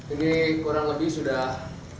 ini kurang lebih sudah